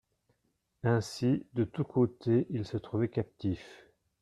Ainsi de tous côtés il se trouvait captif.